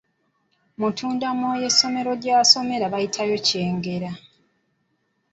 Mutundamwoyo essomero gy’asomera bayitayo Kingere.